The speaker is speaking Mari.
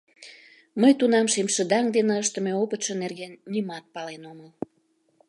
Мый тунам шемшыдаҥ дене ыштыме опытшо нерген нимат пален омыл.